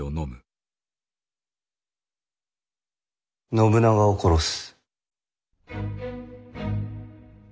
信長を殺す。